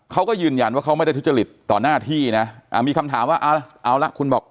เขาก็ยืนยันว่าเขาไม่ได้ทุจริตต่อหน้าที่นะมีคำถามว่าเอาละคุณบอก